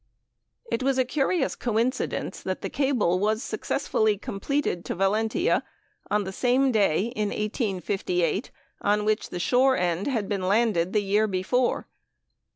" It was a curious coincidence that the cable was successfully completed to Valentia on the same day in 1858 on which the shore end had been landed the year before.